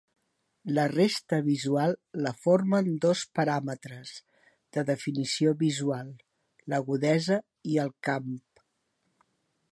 La resta visual la formen dos paràmetres de definició visual: l'agudesa i el camp.